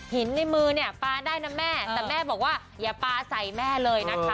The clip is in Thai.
ในมือเนี่ยปลาได้นะแม่แต่แม่บอกว่าอย่าปลาใส่แม่เลยนะคะ